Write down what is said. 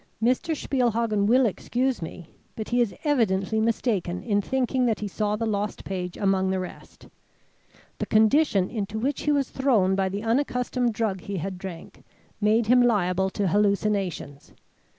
Mr. Spielhagen will excuse me, but he is evidently mistaken in thinking that he saw the lost page among the rest. The condition into which he was thrown by the unaccustomed drug he had drank, made him liable to hallucinations.